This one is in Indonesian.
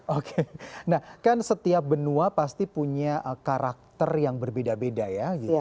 oke nah kan setiap benua pasti punya karakter yang berbeda beda ya